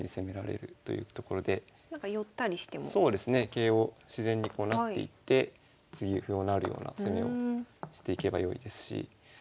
桂を自然にこう成っていって次歩を成るような攻めをしていけば良いですし。